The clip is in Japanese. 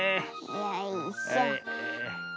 よいしょ。